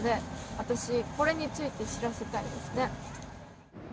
これについて知らせたいですね。